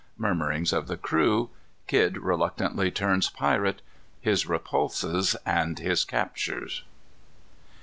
Murmurings of the Crew. Kidd reluctantly turns Pirate. His Repulses, and his Captures.